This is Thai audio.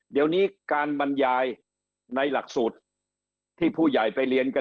เดี๋ยวนี้การบรรยายในหลักสูตรที่ผู้ใหญ่ไปเรียนกัน